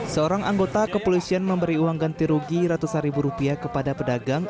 seorang anggota kepolisian memberi uang ganti rugi rp seratus kepada pedagang